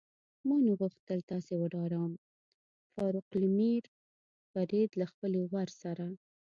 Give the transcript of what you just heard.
ما نه غوښتل تاسې وډاروم، فاروقلومیو فرید له خپلې ورسره.